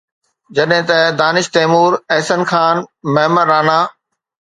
جڏهن ته دانش تيمور، احسن خان، معمر رانا